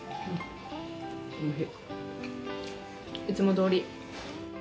いつもどおり。